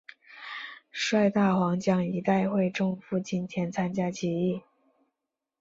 率大湟江一带会众赴金田参加起义。